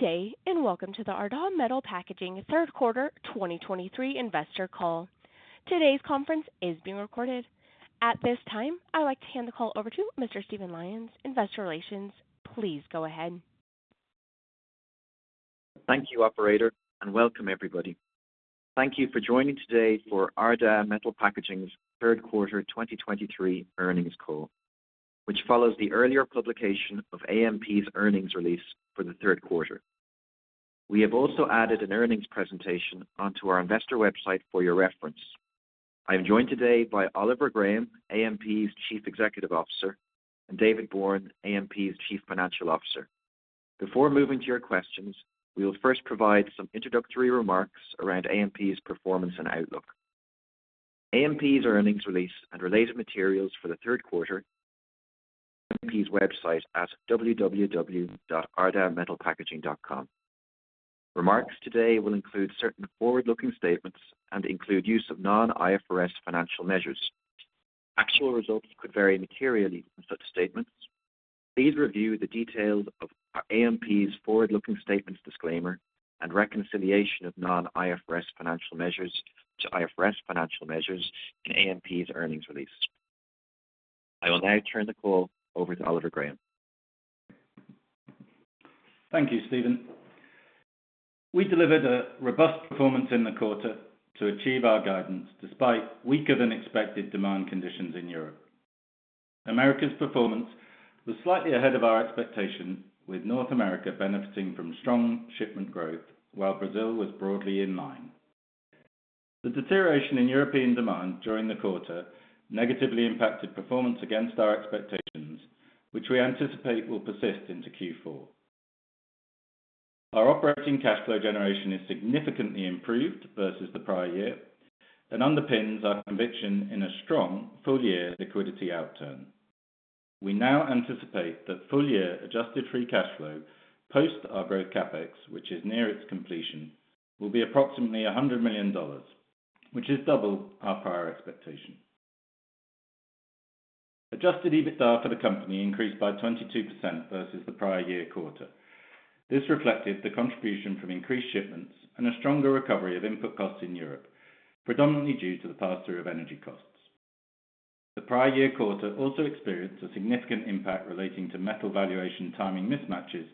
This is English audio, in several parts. Good day, and welcome to the Ardagh Metal Packaging third quarter 2023 investor call. Today's conference is being recorded. At this time, I would like to hand the call over to Mr. Stephen Lyons, Investor Relations. Please go ahead. Thank you, operator, and welcome, everybody. Thank you for joining today for Ardagh Metal Packaging's third quarter 2023 earnings call, which follows the earlier publication of AMP's earnings release for the third quarter. We have also added an earnings presentation onto our investor website for your reference. I'm joined today by Oliver Graham, AMP's Chief Executive Officer, and David Bourne, AMP's Chief Financial Officer. Before moving to your questions, we will first provide some introductory remarks around AMP's performance and outlook. AMP's earnings release and related materials for the third quarter on AMP's website at www.ardaghmetalpackaging.com. Remarks today will include certain forward-looking statements and include use of non-IFRS financial measures. Actual results could vary materially from such statements. Please review the details of our AMP's forward-looking statements disclaimer and reconciliation of non-IFRS financial measures to IFRS financial measures in AMP's earnings release. I will now turn the call over to Oliver Graham. Thank you, Stephen. We delivered a robust performance in the quarter to achieve our guidance, despite weaker than expected demand conditions in Europe. Americas performance was slightly ahead of our expectations, with North America benefiting from strong shipment growth, while Brazil was broadly in line. The deterioration in European demand during the quarter negatively impacted performance against our expectations, which we anticipate will persist into Q4. Our operating cash flow generation is significantly improved versus the prior year and underpins our conviction in a strong full-year liquidity outturn. We now anticipate that full-year adjusted free cash flow, post our growth CapEx, which is near its completion, will be approximately $100 million, which is double our prior expectation. Adjusted EBITDA for the company increased by 22% versus the prior year quarter. This reflected the contribution from increased shipments and a stronger recovery of input costs in Europe, predominantly due to the pass-through of energy costs. The prior year quarter also experienced a significant impact relating to metal valuation timing mismatches,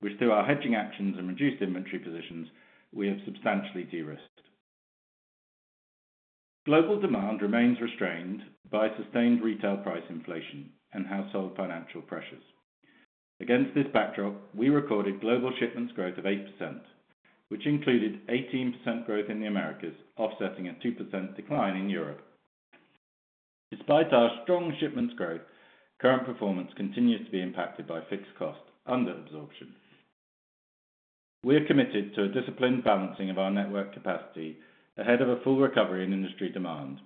which, through our hedging actions and reduced inventory positions, we have substantially de-risked. Global demand remains restrained by sustained retail price inflation and household financial pressures. Against this backdrop, we recorded global shipments growth of 8%, which included 18% growth in the Americas, offsetting a 2% decline in Europe. Despite our strong shipments growth, current performance continues to be impacted by fixed cost under absorption. We are committed to a disciplined balancing of our network capacity ahead of a full recovery in industry demand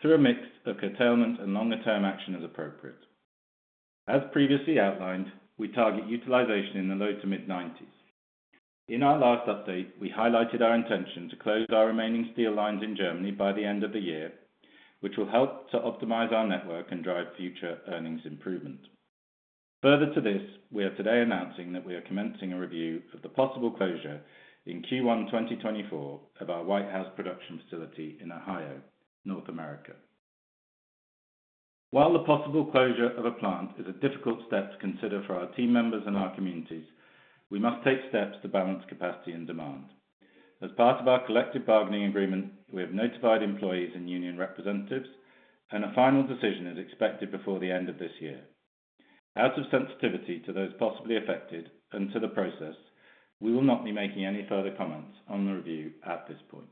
through a mix of curtailment and longer-term action as appropriate. As previously outlined, we target utilization in the low- to mid-90s. In our last update, we highlighted our intention to close our remaining steel lines in Germany by the end of the year, which will help to optimize our network and drive future earnings improvement. Further to this, we are today announcing that we are commencing a review of the possible closure in Q1 2024 of our Whitehouse production facility in Ohio, North America. While the possible closure of a plant is a difficult step to consider for our team members and our communities, we must take steps to balance capacity and demand. As part of our collective bargaining agreement, we have notified employees and union representatives, and a final decision is expected before the end of this year. Out of sensitivity to those possibly affected and to the process, we will not be making any further comments on the review at this point.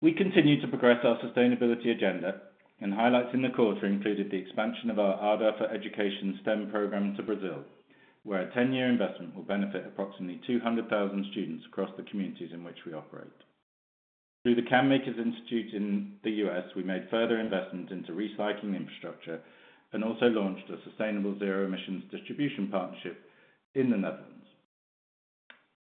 We continue to progress our sustainability agenda, and highlights in the quarter included the expansion of our Ardagh for Education STEM program to Brazil, where a 10-year investment will benefit approximately 200,000 students across the communities in which we operate. Through the Can Manufacturers Institute in the U.S., we made further investments into recycling infrastructure and also launched a sustainable zero emissions distribution partnership in the Netherlands.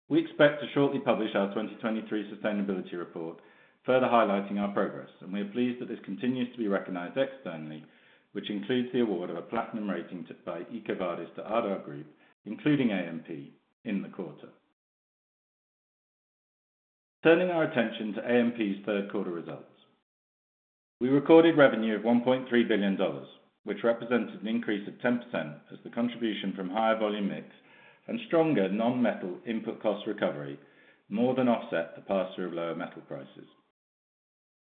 We expect to shortly publish our 2023 sustainability report, further highlighting our progress, and we are pleased that this continues to be recognized externally, which includes the award of a platinum rating by EcoVadis to Ardagh Group, including AMP, in the quarter. Turning our attention to AMP's third quarter results. We recorded revenue of $1.3 billion, which represented an increase of 10% as the contribution from higher volume mix and stronger non-metal input cost recovery more than offset the pass-through of lower metal prices.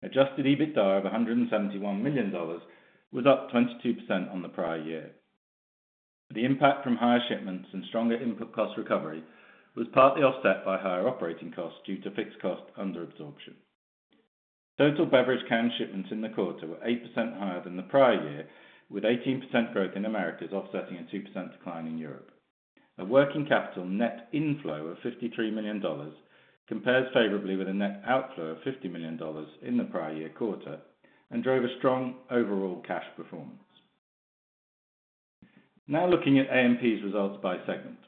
Adjusted EBITDA of $171 million was up 22% on the prior year. The impact from higher shipments and stronger input cost recovery was partly offset by higher operating costs due to fixed cost under absorption. Total beverage can shipments in the quarter were 8% higher than the prior year, with 18% growth in Americas offsetting a 2% decline in Europe. A working capital net inflow of $53 million compares favorably with a net outflow of $50 million in the prior year quarter and drove a strong overall cash performance. Now looking at AMP's results by segment.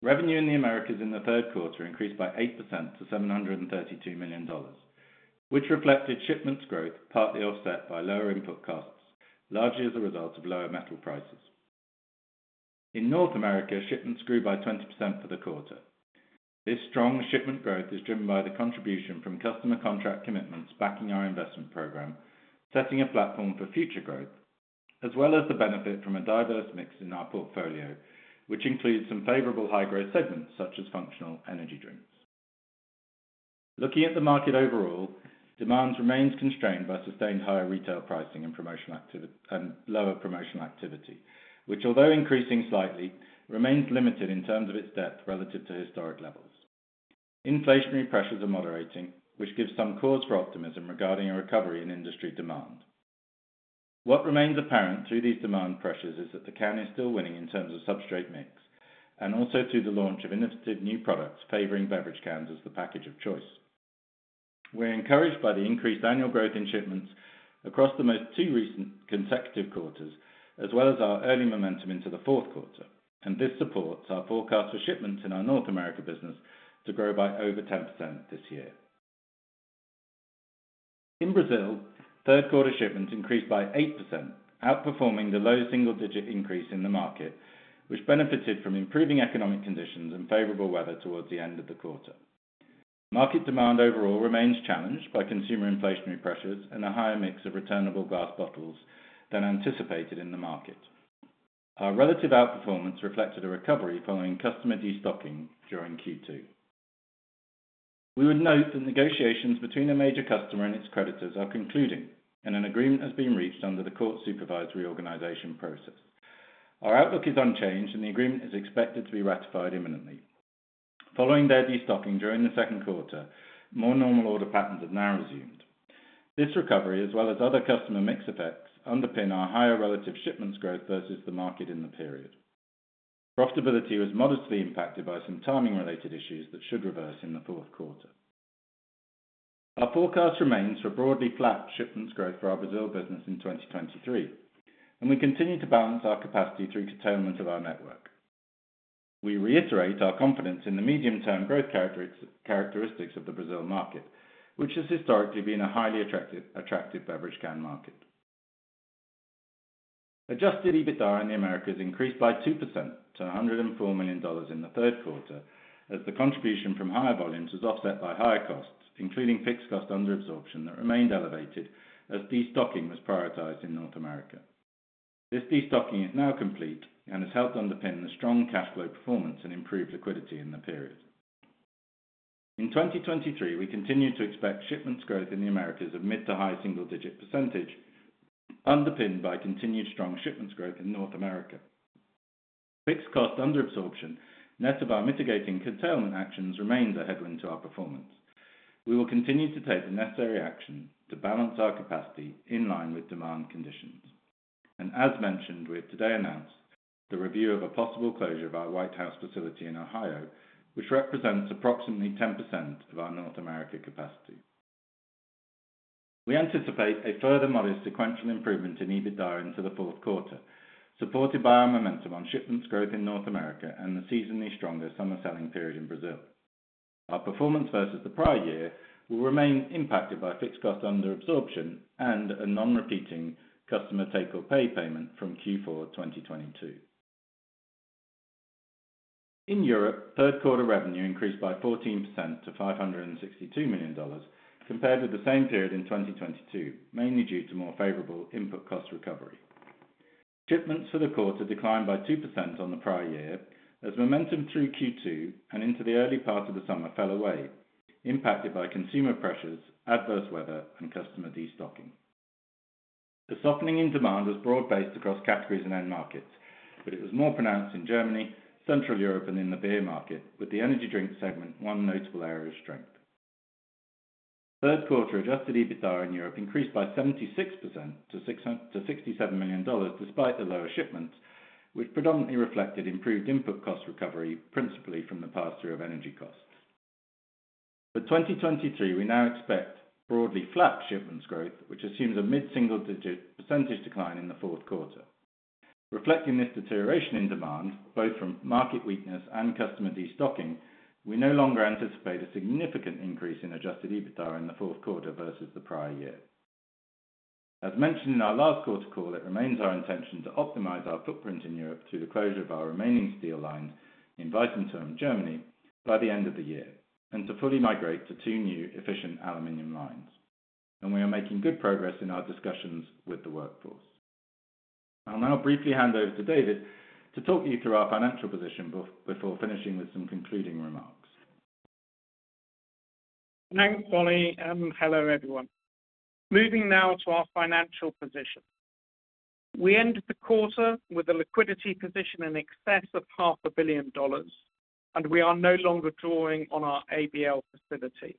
Revenue in the Americas in the third quarter increased by 8% to $732 million, which reflected shipments growth, partly offset by lower input costs, largely as a result of lower metal prices. In North America, shipments grew by 20% for the quarter. This strong shipment growth is driven by the contribution from customer contract commitments backing our investment program, setting a platform for future growth, as well as the benefit from a diverse mix in our portfolio, which includes some favorable high-growth segments, such as functional energy drinks. Looking at the market overall, demand remains constrained by sustained higher retail pricing and lower promotional activity, which although increasing slightly, remains limited in terms of its depth relative to historic levels. Inflationary pressures are moderating, which gives some cause for optimism regarding a recovery in industry demand. What remains apparent through these demand pressures is that the can is still winning in terms of substrate mix, and also through the launch of innovative new products, favoring beverage cans as the package of choice. We're encouraged by the increased annual growth in shipments across the most two recent consecutive quarters, as well as our early momentum into the fourth quarter, and this supports our forecast for shipments in our North America business to grow by over 10% this year. In Brazil, third quarter shipments increased by 8%, outperforming the low single-digit increase in the market, which benefited from improving economic conditions and favorable weather towards the end of the quarter. Market demand overall remains challenged by consumer inflationary pressures and a higher mix of returnable glass bottles than anticipated in the market. Our relative outperformance reflected a recovery following customer destocking during Q2. We would note that negotiations between a major customer and its creditors are concluding, and an agreement has been reached under the court-supervised reorganization process. Our outlook is unchanged, and the agreement is expected to be ratified imminently. Following their destocking during the second quarter, more normal order patterns have now resumed. This recovery, as well as other customer mix effects, underpin our higher relative shipments growth versus the market in the period. Profitability was modestly impacted by some timing-related issues that should reverse in the fourth quarter. Our forecast remains for broadly flat shipments growth for our Brazil business in 2023, and we continue to balance our capacity through curtailment of our network. We reiterate our confidence in the medium-term growth characteristics of the Brazil market, which has historically been a highly attractive beverage can market. Adjusted EBITDA in the Americas increased by 2% to $104 million in the third quarter, as the contribution from higher volumes was offset by higher costs, including fixed cost under absorption, that remained elevated as destocking was prioritized in North America. This destocking is now complete and has helped underpin the strong cash flow performance and improved liquidity in the period. In 2023, we continued to expect shipments growth in the Americas of mid- to high-single-digit %, underpinned by continued strong shipments growth in North America. Fixed cost under absorption, net of our mitigating curtailment actions, remains a headwind to our performance. We will continue to take the necessary action to balance our capacity in line with demand conditions. As mentioned, we have today announced the review of a possible closure of our Whitehouse facility in Ohio, which represents approximately 10% of our North America capacity. We anticipate a further modest sequential improvement in EBITDA into the fourth quarter, supported by our momentum on shipments growth in North America and the seasonally stronger summer selling period in Brazil. Our performance versus the prior year will remain impacted by fixed cost under absorption and a non-repeating customer take or pay payment from Q4 2022. In Europe, third quarter revenue increased by 14% to $562 million compared with the same period in 2022, mainly due to more favorable input cost recovery. Shipments for the quarter declined by 2% on the prior year as momentum through Q2 and into the early part of the summer fell away, impacted by consumer pressures, adverse weather, and customer destocking. The softening in demand was broad-based across categories and end markets, but it was more pronounced in Germany, Central Europe, and in the beer market, with the energy drink segment one notable area of strength. Third quarter Adjusted EBITDA in Europe increased by 76% to $67 million, despite the lower shipments, which predominantly reflected improved input cost recovery, principally from the passage of energy costs. For 2023, we now expect broadly flat shipments growth, which assumes a mid-single-digit percentage decline in the fourth quarter. Reflecting this deterioration in demand, both from market weakness and customer destocking, we no longer anticipate a significant increase in Adjusted EBITDA in the fourth quarter versus the prior year. As mentioned in our last quarter call, it remains our intention to optimize our footprint in Europe through the closure of our remaining steel lines in Weißenthurm, Germany by the end of the year, and to fully migrate to two new efficient aluminum lines. We are making good progress in our discussions with the workforce. I'll now briefly hand over to David to talk you through our financial position before finishing with some concluding remarks. Thanks, Ollie, and hello, everyone. Moving now to our financial position. We ended the quarter with a liquidity position in excess of $500 million, and we are no longer drawing on our ABL facility.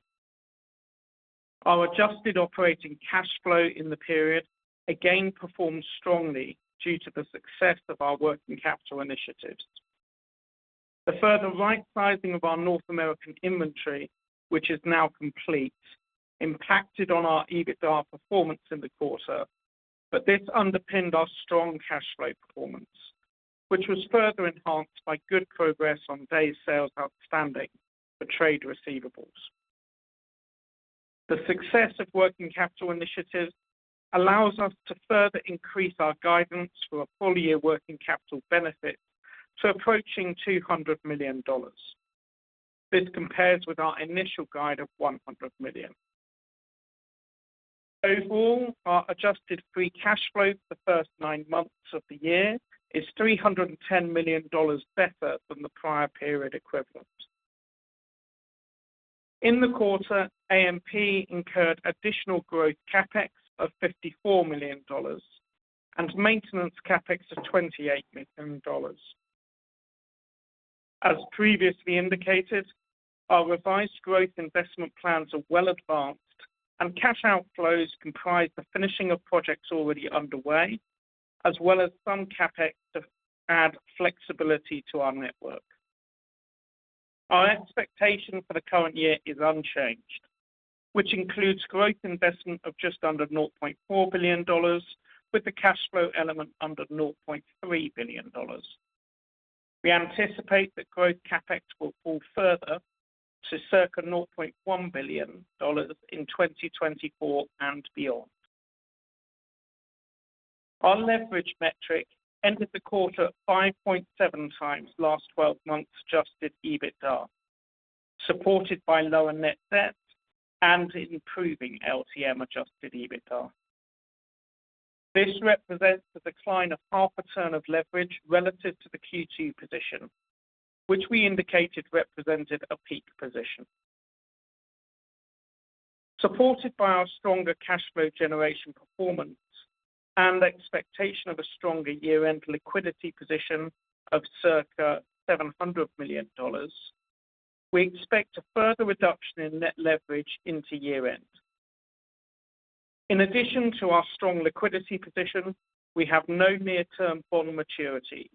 Our adjusted operating cash flow in the period again performed strongly due to the success of our working capital initiatives. The further right sizing of our North American inventory, which is now complete, impacted on our EBITDA performance in the quarter, but this underpinned our strong cash flow performance, which was further enhanced by good progress on days sales outstanding for trade receivables. The success of working capital initiatives allows us to further increase our guidance for a full year working capital benefit to approaching $200 million. This compares with our initial guide of $100 million. Overall, our adjusted free cash flow for the first nine months of the year is $310 million better than the prior period equivalent. In the quarter, AMP incurred additional Growth CapEx of $54 million and Maintenance CapEx of $28 million. As previously indicated, our revised growth investment plans are well advanced, and cash outflows comprise the finishing of projects already underway, as well as some CapEx to add flexibility to our network. Our expectation for the current year is unchanged, which includes growth investment of just under $0.4 billion, with the cash flow element under $0.3 billion. We anticipate that Growth CapEx will fall further to circa $0.1 billion in 2024 and beyond. Our leverage metric ended the quarter at 5.7x last 12 months adjusted EBITDA, supported by lower net debt and improving LTM adjusted EBITDA. This represents a decline of half a turn of leverage relative to the Q2 position, which we indicated represented a peak position. Supported by our stronger cash flow generation performance and the expectation of a stronger year-end liquidity position of circa $700 million, we expect a further reduction in net leverage into year-end. In addition to our strong liquidity position, we have no near-term bond maturities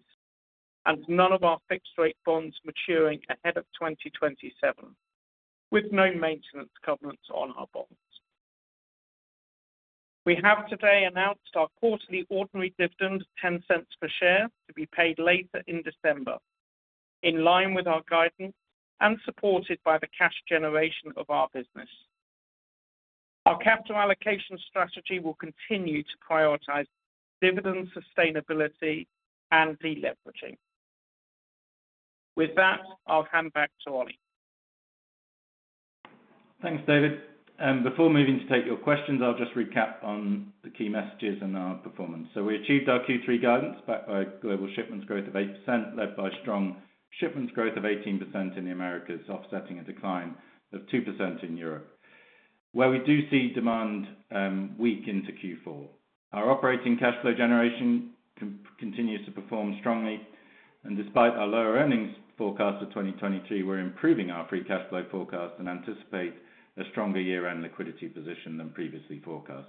and none of our fixed rate bonds maturing ahead of 2027, with no maintenance covenants on our bonds. We have today announced our quarterly ordinary dividend of $0.10 per share, to be paid later in December, in line with our guidance and supported by the cash generation of our business. Our capital allocation strategy will continue to prioritize dividend sustainability and deleveraging. With that, I'll hand back to Ollie. Thanks, David. Before moving to take your questions, I'll just recap on the key messages and our performance. We achieved our Q3 guidance, backed by global shipments growth of 8%, led by strong shipments growth of 18% in the Americas, offsetting a decline of 2% in Europe, where we do see demand weak into Q4. Our operating cash flow generation continues to perform strongly, and despite our lower earnings forecast for 2022, we're improving our free cash flow forecast and anticipate a stronger year-end liquidity position than previously forecast.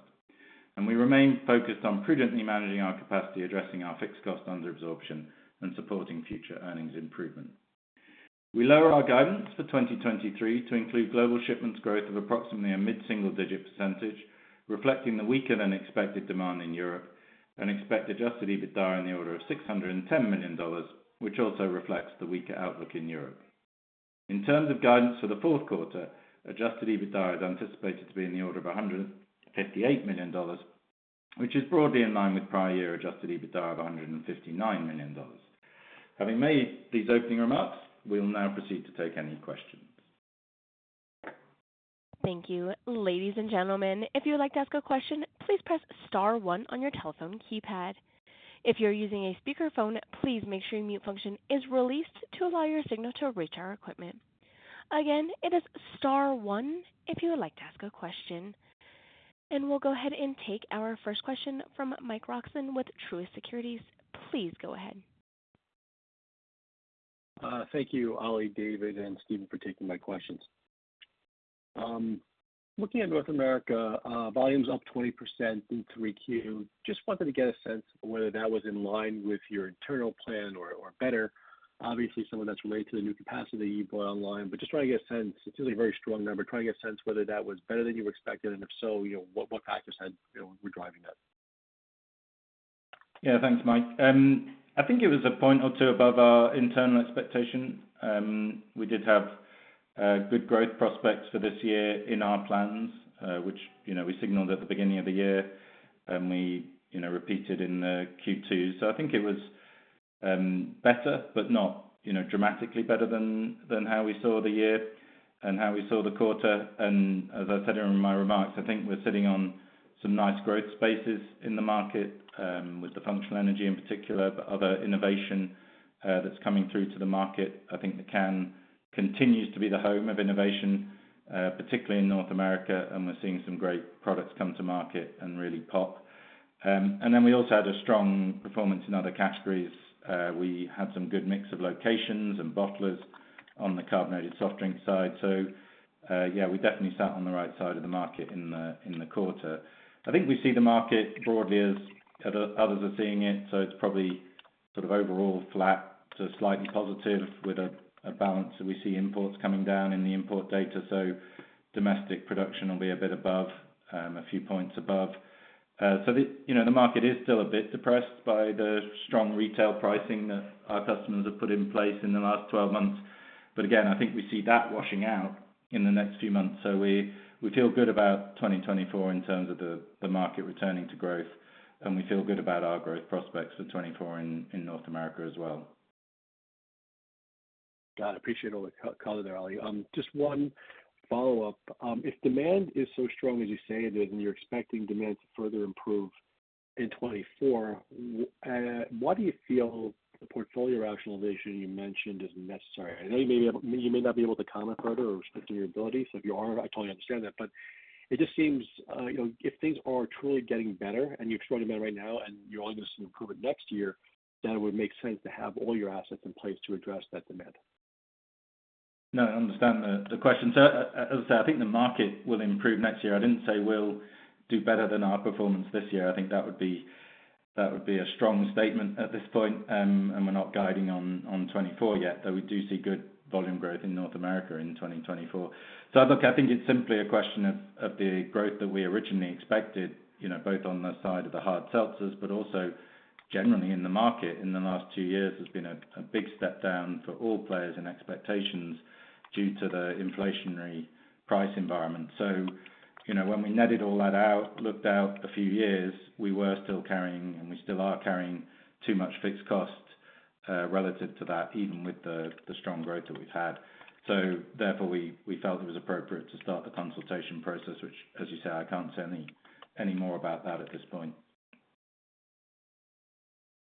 We remain focused on prudently managing our capacity, addressing our Fixed Cost Under Absorption, and supporting future earnings improvement. We lower our guidance for 2023 to include global shipments growth of approximately a mid-single-digit percentage, reflecting the weaker-than-expected demand in Europe, and expect Adjusted EBITDA in the order of $610 million, which also reflects the weaker outlook in Europe. In terms of guidance for the fourth quarter, Adjusted EBITDA is anticipated to be in the order of $158 million, which is broadly in line with prior year Adjusted EBITDA of $159 million. Having made these opening remarks, we'll now proceed to take any questions. Thank you. Ladies and gentlemen, if you would like to ask a question, please press star one on your telephone keypad. If you're using a speakerphone, please make sure your mute function is released to allow your signal to reach our equipment. Again, it is star one if you would like to ask a question. And we'll go ahead and take our first question from Mike Roxland with Truist Securities. Please go ahead. Thank you, Ollie, David, and Stephen, for taking my questions. Looking at North America, volume's up 20% in Q3. Just wanted to get a sense of whether that was in line with your internal plan or, or better. Obviously, some of that's related to the new capacity you brought online, but just trying to get a sense. It's really a very strong number. Trying to get a sense whether that was better than you expected, and if so, you know, what, what factors had, you know, were driving that? Yeah, thanks, Mike. I think it was a point or two above our internal expectation. We did have good growth prospects for this year in our plans, which, you know, we signaled at the beginning of the year, and we, you know, repeated in Q2. So I think it was better, but not, you know, dramatically better than how we saw the year and how we saw the quarter. And as I said in my remarks, I think we're sitting on some nice growth spaces in the market, with the functional energy in particular, but other innovation that's coming through to the market. I think the can continues to be the home of innovation, particularly in North America, and we're seeing some great products come to market and really pop. And then we also had a strong performance in other categories. We had some good mix of locations and bottlers on the carbonated soft drink side. So, yeah, we definitely sat on the right side of the market in the, in the quarter. I think we see the market broadly as others are seeing it, so it's probably... sort of overall flat to slightly positive with a, a balance, and we see imports coming down in the import data, so domestic production will be a bit above, a few points above. So, you know, the market is still a bit depressed by the strong retail pricing that our customers have put in place in the last 12 months. But again, I think we see that washing out in the next few months. So we feel good about 2024 in terms of the market returning to growth, and we feel good about our growth prospects for 2024 in North America as well. Got it. Appreciate all the color there, Ollie. Just one follow-up. If demand is so strong as you say it is, and you're expecting demand to further improve in 2024, why do you feel the portfolio rationalization you mentioned is necessary? I know you may not be able to comment further or restricting your ability. So if you are, I totally understand that, but it just seems, you know, if things are truly getting better and you're seeing them right now, and you're only going to see improvement next year, then it would make sense to have all your assets in place to address that demand. No, I understand the question. So, as I say, I think the market will improve next year. I didn't say we'll do better than our performance this year. I think that would be a strong statement at this point, and we're not guiding on 2024 yet, though we do see good volume growth in North America in 2024. So look, I think it's simply a question of the growth that we originally expected, you know, both on the side of the hard seltzers, but also generally in the market in the last two years, has been a big step down for all players and expectations due to the inflationary price environment. So, you know, when we netted all that out, looked out a few years, we were still carrying, and we still are carrying too much fixed cost relative to that, even with the strong growth that we've had. So therefore, we felt it was appropriate to start the consultation process, which, as you say, I can't say any more about that at this point.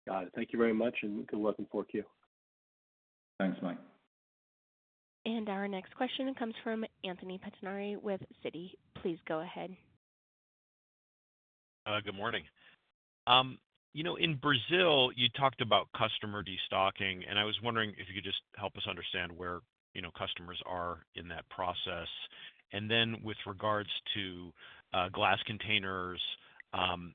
Got it. Thank you very much, and good luck in fourth Q. Thanks, Mike. Our next question comes from Anthony Pettinari with Citi. Please go ahead. Good morning. You know, in Brazil, you talked about customer destocking, and I was wondering if you could just help us understand where, you know, customers are in that process. And then with regards to glass containers,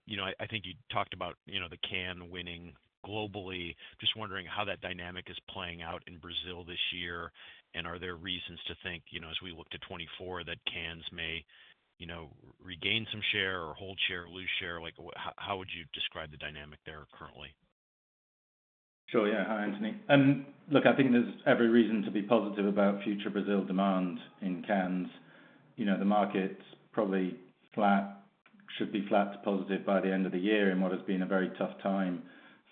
you know, I think you talked about, you know, the can winning globally. Just wondering how that dynamic is playing out in Brazil this year, and are there reasons to think, you know, as we look to 2024, that cans may, you know, regain some share or hold share, or lose share? Like, how would you describe the dynamic there currently? Sure. Yeah. Hi, Anthony. Look, I think there's every reason to be positive about future Brazil demand in cans. You know, the market's probably flat, should be flat to positive by the end of the year, in what has been a very tough time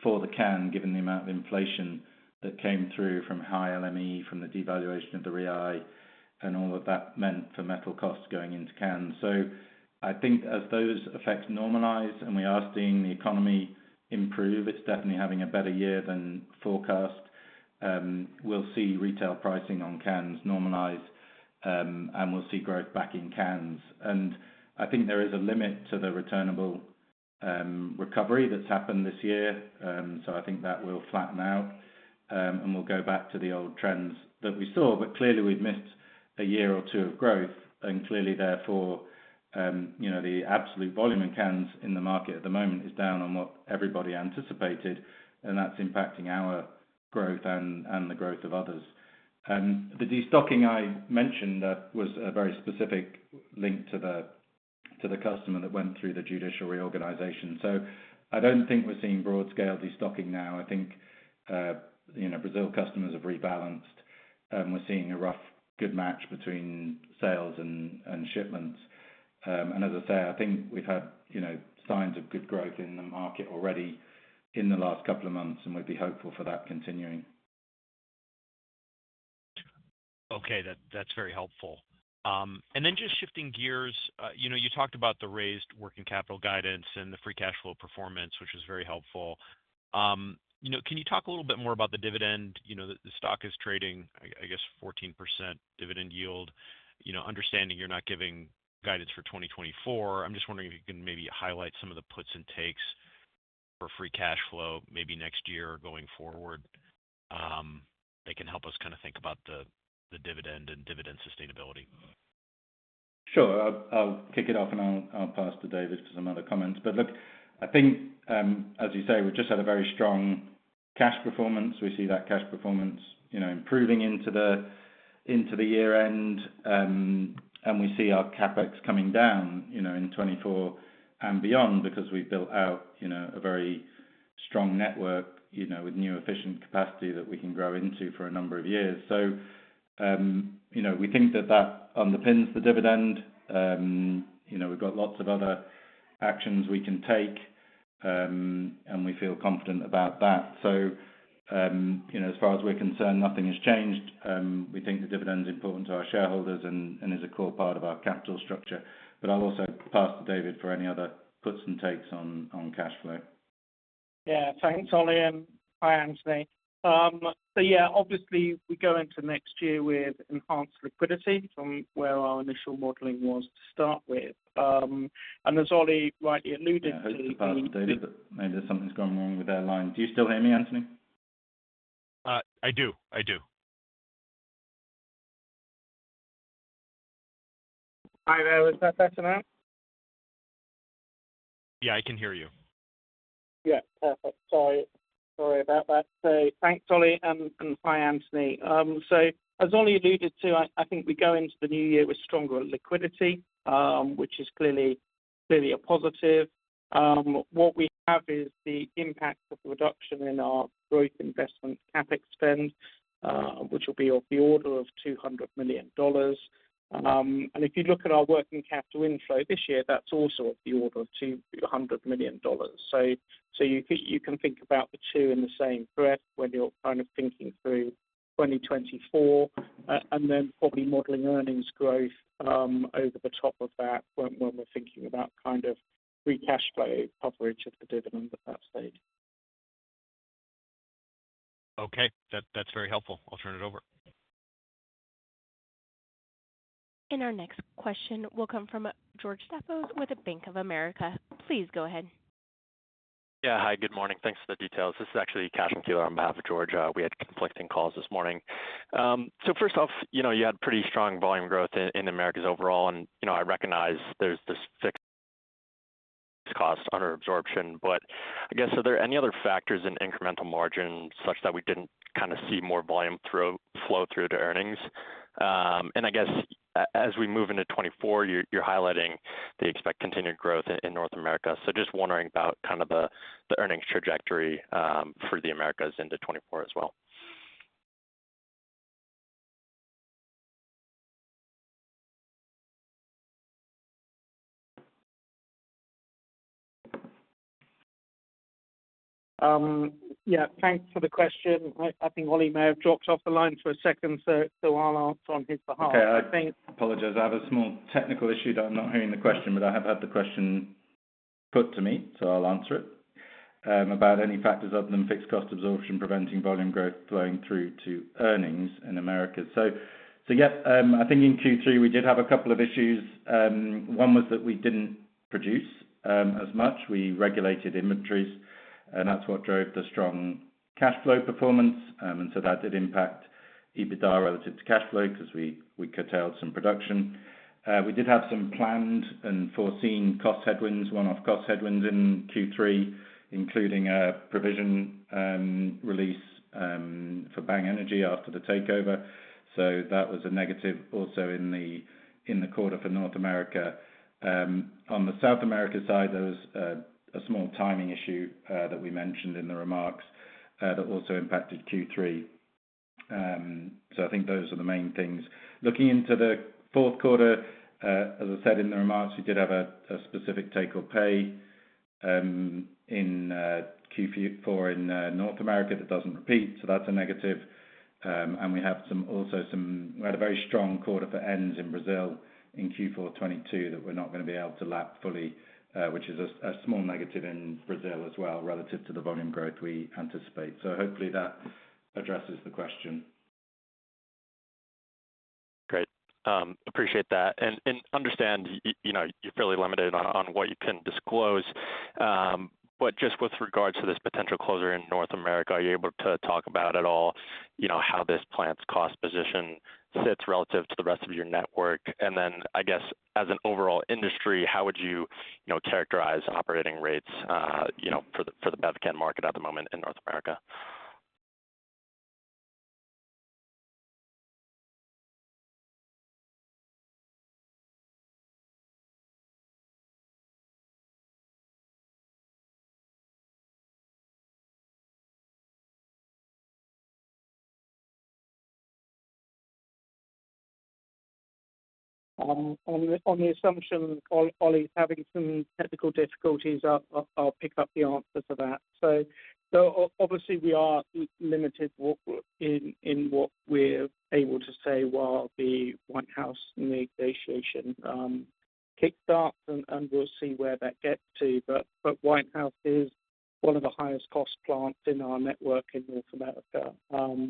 for the can, given the amount of inflation that came through from high LME, from the devaluation of the real, and all that that meant for metal costs going into cans. So I think as those effects normalize, and we are seeing the economy improve, it's definitely having a better year than forecast, we'll see retail pricing on cans normalize, and we'll see growth back in cans. And I think there is a limit to the returnable recovery that's happened this year. So I think that will flatten out, and we'll go back to the old trends that we saw. But clearly, we've missed a year or two of growth, and clearly therefore, you know, the absolute volume in cans in the market at the moment is down on what everybody anticipated, and that's impacting our growth and the growth of others. The destocking I mentioned was a very specific link to the customer that went through the judicial reorganization. So I don't think we're seeing broad-scale destocking now. I think, you know, Brazil customers have rebalanced, and we're seeing a rough good match between sales and shipments. And as I say, I think we've had, you know, signs of good growth in the market already in the last couple of months, and we'd be hopeful for that continuing. Okay, that, that's very helpful. And then just shifting gears, you know, you talked about the raised working capital guidance and the free cash flow performance, which is very helpful. You know, can you talk a little bit more about the dividend? You know, the, the stock is trading, I, I guess, 14% dividend yield. You know, understanding you're not giving guidance for 2024, I'm just wondering if you can maybe highlight some of the puts and takes for free cash flow, maybe next year or going forward, that can help us kinda think about the, the dividend and dividend sustainability. Sure. I'll kick it off, and I'll pass to David for some other comments. But look, I think, as you say, we've just had a very strong cash performance. We see that cash performance, you know, improving into the year-end, and we see our CapEx coming down, you know, in 2024 and beyond, because we've built out, you know, a very strong network, you know, with new efficient capacity that we can grow into for a number of years. So, you know, we think that that underpins the dividend. You know, we've got lots of other actions we can take, and we feel confident about that. So, you know, as far as we're concerned, nothing has changed. We think the dividend is important to our shareholders and is a core part of our capital structure. I'll also pass to David for any other puts and takes on cash flow. Yeah. Thanks, Ollie, and hi, Anthony. So yeah, obviously we go into next year with enhanced liquidity from where our initial modeling was to start with. And as Ollie rightly alluded to- I hope to pass to David, but maybe something's going wrong with our line. Do you still hear me, Anthony? I do. I do. Hi there, is that better now? Yeah, I can hear you. Yeah, perfect. Sorry about that. So thanks, Ollie, and hi, Anthony. So as Ollie alluded to, I think we go into the new year with stronger liquidity, which is clearly a positive. What we have is the impact of the reduction in our growth investment CapEx spend, which will be of the order of $200 million. And if you look at our working capital inflow this year, that's also of the order of $200 million. So you think—you can think about the two in the same breath when you're kind of thinking through 2024, and then probably modeling earnings growth, over the top of that, when we're thinking about kind of free cash flow coverage of the dividend at that stage. Okay, that, that's very helpful. I'll turn it over. And our next question will come from George Staphos with the Bank of America. Please go ahead. Yeah. Hi, good morning. Thanks for the details. This is actually Cashen Keeler on behalf of George. We had conflicting calls this morning. So first off, you know, you had pretty strong volume growth in the Americas overall, and, you know, I recognize there's this fixed cost under absorption, but I guess, are there any other factors in incremental margins such that we didn't kind of see more volume through, flow through to earnings? And I guess as we move into 2024, you're highlighting that you expect continued growth in North America. So just wondering about kind of the earnings trajectory for the Americas into 2024 as well. Yeah, thanks for the question. I think Ollie may have dropped off the line for a second, so I'll answer on his behalf. Okay, I apologize. I have a small technical issue that I'm not hearing the question, but I have had the question put to me, so I'll answer it. About any factors other than fixed cost absorption, preventing volume growth flowing through to earnings in Americas. So yeah, I think in Q3, we did have a couple of issues. One was that we didn't produce as much. We regulated inventories, and that's what drove the strong cash flow performance. And so that did impact EBITDA relative to cash flows, because we curtailed some production. We did have some planned and foreseen cost headwinds, one-off cost headwinds in Q3, including a provision release for Bang Energy after the takeover. So that was a negative also in the quarter for North America. On the South America side, there was a small timing issue that we mentioned in the remarks that also impacted Q3. So I think those are the main things. Looking into the fourth quarter, as I said in the remarks, we did have a specific take-or-pay in Q4 in North America. That doesn't repeat, so that's a negative. We had a very strong quarter for ends in Brazil in Q4 2022, that we're not going to be able to lap fully, which is a small negative in Brazil as well, relative to the volume growth we anticipate. So hopefully that addresses the question. Great. Appreciate that. And understand, you know, you're fairly limited on what you can disclose. But just with regards to this potential closure in North America, are you able to talk about at all, you know, how this plant's cost position sits relative to the rest of your network? And then, I guess, as an overall industry, how would you, you know, characterize operating rates, you know, for the BevCan market at the moment in North America? On the assumption Ollie's having some technical difficulties, I'll pick up the answer for that. So, obviously, we are limited in what we're able to say while the Whitehouse negotiation kicks off, and we'll see where that gets to. But Whitehouse is one of the highest cost plants in our network in North America, and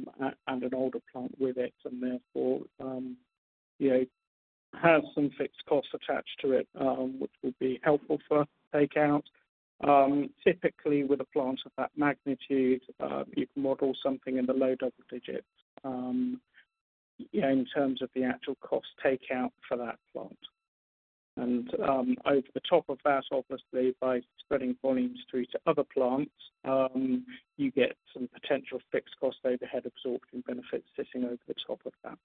an older plant with it, and therefore, you know, has some fixed costs attached to it, which will be helpful for takeout. Typically, with a plant of that magnitude, you can model something in the low double digits, yeah, in terms of the actual cost takeout for that plant. Over the top of that, obviously, by spreading volumes through to other plants, you get some potential fixed cost overhead absorption benefits sitting over the top of that.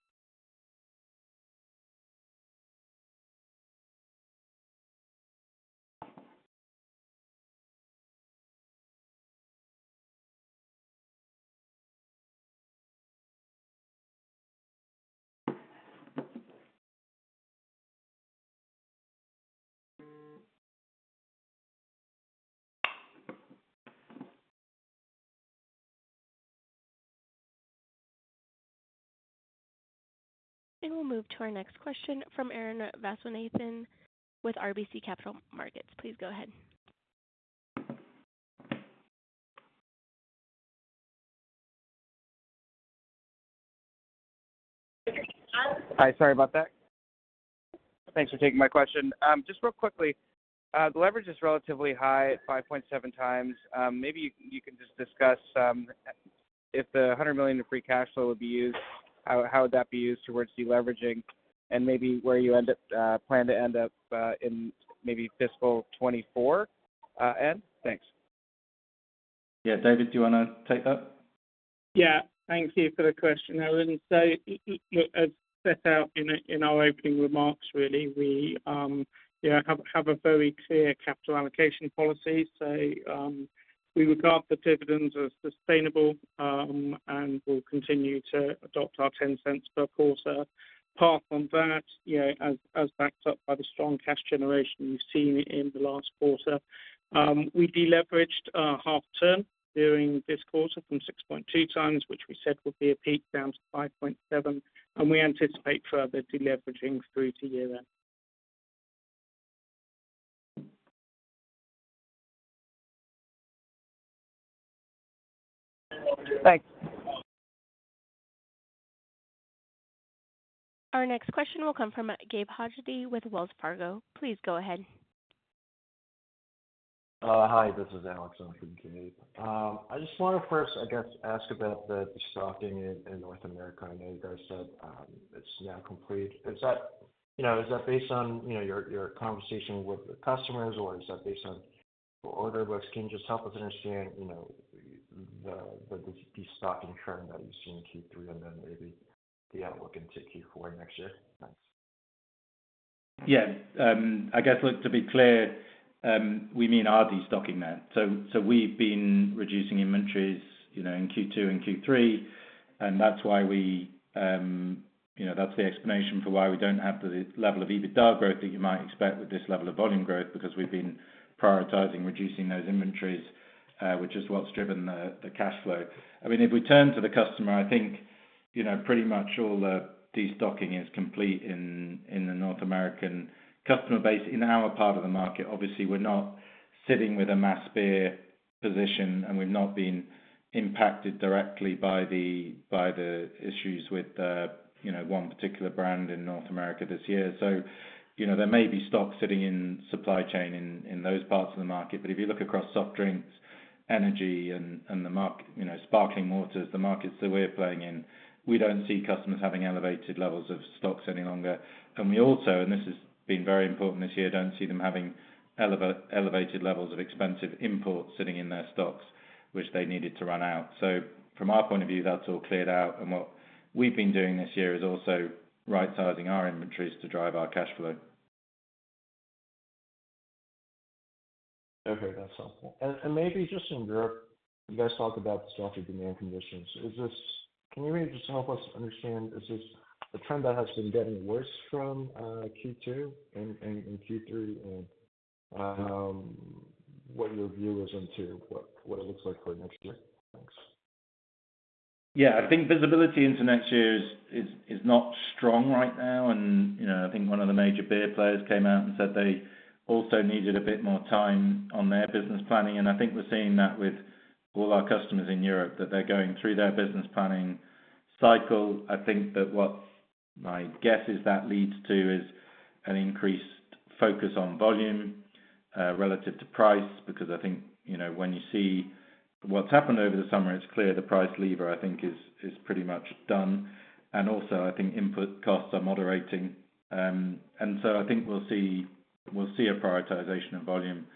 We'll move to our next question from Arun Viswanathan with RBC Capital Markets. Please go ahead. Hi, sorry about that. Thanks for taking my question. Just real quickly, the leverage is relatively high at 5.7x. Maybe you can just discuss the... If the $100 million in free cash flow would be used, how would that be used towards deleveraging? And maybe where you plan to end up in maybe fiscal 2024 end? Thanks. Yeah. David, do you want to take that? Yeah. Thank you for the question, Arun. As set out in our opening remarks, really, we have a very clear capital allocation policy. We regard the dividends as sustainable, and we'll continue to adopt our $0.10 per quarter path on that, you know, as backed up by the strong cash generation you've seen in the last quarter. We deleveraged half a turn during this quarter from 6.2x, which we said would be a peak, down to 5.7x, and we anticipate further deleveraging through to year-end. Thanks. Our next question will come from Gabe Hajde with Wells Fargo. Please go ahead. Hi, this is Alex in for Gabe Hajde. I just want to first, I guess, ask about the stocking in North America. I know you guys said it's now complete. Is that, you know, based on your conversation with the customers, or is that based on order books? Can you just help us understand, you know, the destocking trend that we've seen in Q3, and then maybe the outlook into Q4 next year? Thanks. Yeah. I guess look, to be clear, we mean our destocking there. So, so we've been reducing inventories, you know, in Q2 and Q3, and that's why we, you know, that's the explanation for why we don't have the level of EBITDA growth that you might expect with this level of volume growth, because we've been prioritizing reducing those inventories, which is what's driven the cash flow. I mean, if we turn to the customer, I think, you know, pretty much all the destocking is complete in the North American customer base. In our part of the market, obviously, we're not sitting with a mass beer position, and we've not been impacted directly by the issues with the one particular brand in North America this year. So, you know, there may be stock sitting in supply chain in those parts of the market, but if you look across soft drinks, energy, and the market, you know, sparkling waters, the markets that we're playing in, we don't see customers having elevated levels of stocks any longer. And we also, this has been very important this year, don't see them having elevated levels of expensive imports sitting in their stocks, which they needed to run out. So from our point of view, that's all cleared out, and what we've been doing this year is also right-sizing our inventories to drive our cash flow. Okay, that's helpful. And maybe just in Europe, you guys talk about the softer demand conditions. Is this, can you maybe just help us understand, is this a trend that has been getting worse from Q2 and in Q3? And what your view is into what it looks like for next year? Thanks. Yeah. I think visibility into next year is not strong right now, and, you know, I think one of the major beer players came out and said they also needed a bit more time on their business planning. And I think we're seeing that with all our customers in Europe, that they're going through their business planning cycle. I think that what my guess is that leads to is an increased focus on volume relative to price, because I think, you know, when you see what's happened over the summer, it's clear the price lever, I think is pretty much done. And also, I think input costs are moderating. And so I think we'll see a prioritization of volume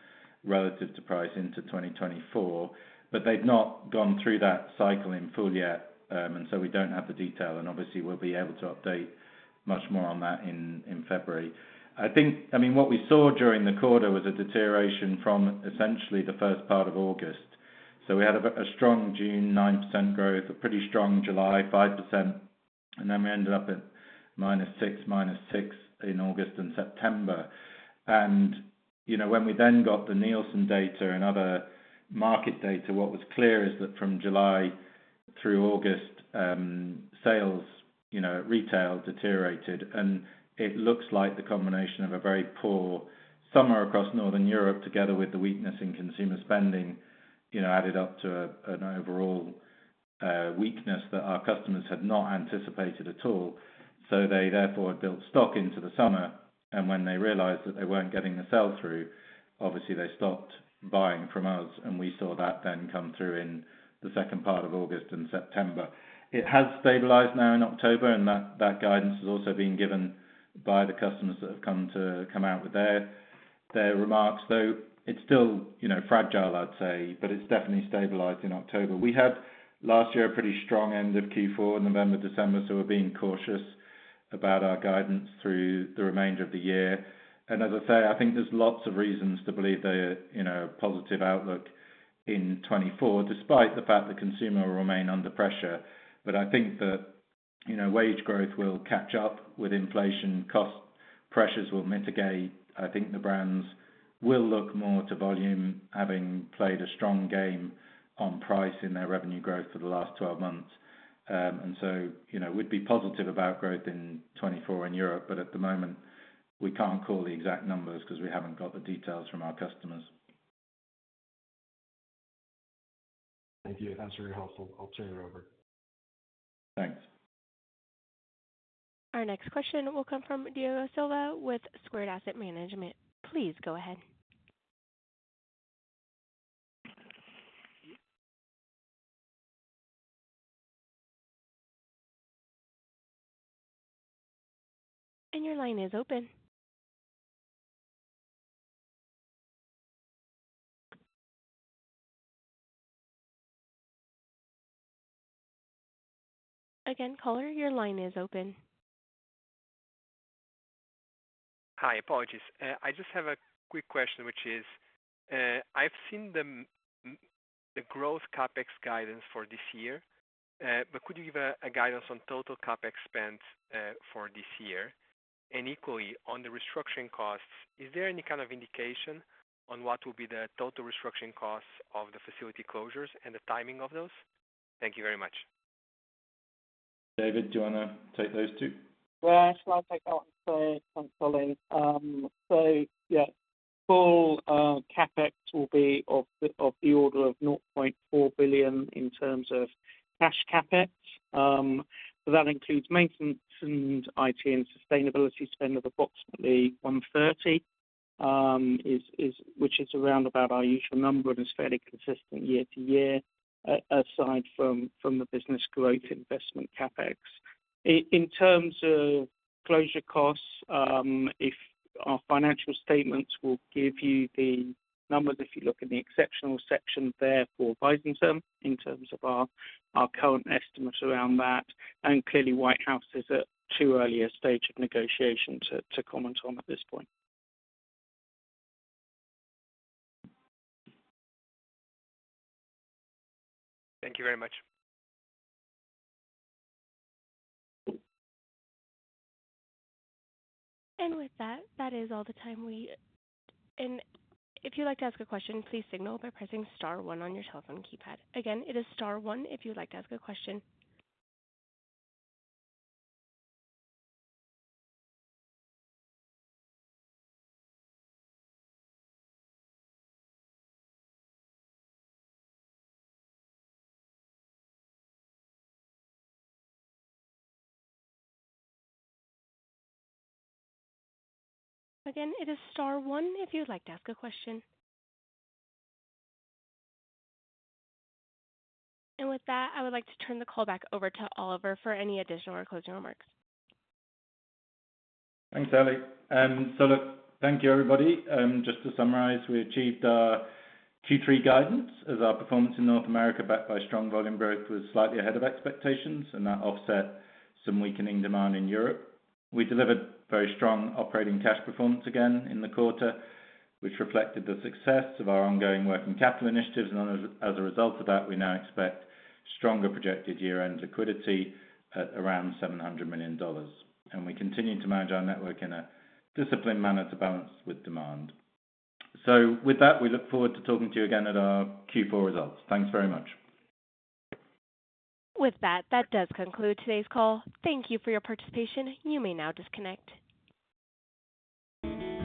relative to price into 2024, but they've not gone through that cycle in full yet. And so we don't have the detail, and obviously, we'll be able to update much more on that in February. I think, I mean, what we saw during the quarter was a deterioration from essentially the first part of August. So we had a strong June, 9% growth, a pretty strong July, 5%, and then we ended up at -6%, -6% in August and September. And, you know, when we then got the Nielsen data and other market data, what was clear is that from July through August, sales, you know, retail deteriorated, and it looks like the combination of a very poor summer across Northern Europe, together with the weakness in consumer spending, you know, added up to an overall weakness that our customers had not anticipated at all. So they therefore built stock into the summer, and when they realized that they weren't getting a sell-through, obviously they stopped buying from us, and we saw that then come through in the second part of August and September. It has stabilized now in October, and that, that guidance has also been given by the customers that have come to come out with their, their remarks, though it's still, you know, fragile, I'd say, but it's definitely stabilized in October. We had last year a pretty strong end of Q4, November, December, so we're being cautious about our guidance through the remainder of the year. And as I say, I think there's lots of reasons to believe that a, you know, positive outlook in 2024, despite the fact that consumer will remain under pressure. I think that, you know, wage growth will catch up with inflation, cost pressures will mitigate. I think the brands will look more to volume, having played a strong game on price in their revenue growth for the last 12 months. You know, we'd be positive about growth in 2024 in Europe, but at the moment, we can't call the exact numbers because we haven't got the details from our customers. Thank you. That's very helpful. I'll turn it over. Thanks.... Our next question will come from [Diego Silva] with Square Asset Management. Please go ahead. And your line is open. Again, caller, your line is open. Hi, apologies. I just have a quick question, which is, I've seen the growth CapEx guidance for this year, but could you give a guidance on total CapEx spend, for this year? And equally, on the restructuring costs, is there any kind of indication on what will be the total restructuring costs of the facility closures and the timing of those? Thank you very much. David, do you want to take those two? Well, I'll take that one first. So yeah, full CapEx will be of the order of $0.4 billion in terms of cash CapEx. But that includes maintenance and IT and sustainability spend of approximately $130 million, which is around about our usual number and is fairly consistent year to year, aside from the business growth investment CapEx. In terms of closure costs, if our financial statements will give you the numbers, if you look in the exceptional section there for Weißenthurm, in terms of our current estimates around that, and clearly, Whitehouse is at too early a stage of negotiation to comment on at this point. Thank you very much. And with that, that is all the time. And if you'd like to ask a question, please signal by pressing star one on your telephone keypad. Again, it is star one if you'd like to ask a question. Again, it is star one if you'd like to ask a question. And with that, I would like to turn the call back over to Oliver for any additional or closing remarks. Thanks, Allie. So look, thank you, everybody. Just to summarize, we achieved our Q3 guidance as our performance in North America, backed by strong volume growth, was slightly ahead of expectations, and that offset some weakening demand in Europe. We delivered very strong operating cash performance again in the quarter, which reflected the success of our ongoing working capital initiatives. And as a result of that, we now expect stronger projected year-end liquidity at around $700 million. We continue to manage our network in a disciplined manner to balance with demand. So with that, we look forward to talking to you again at our Q4 results. Thanks very much. With that, that does conclude today's call. Thank you for your participation. You may now disconnect.